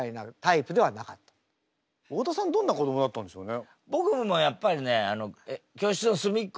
どんな子どもだったんでしょうね？